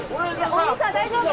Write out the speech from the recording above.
お兄さん大丈夫？